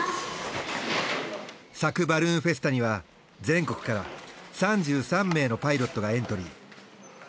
佐久バルーンフェスタには全国から３３名のパイロットがエントリー。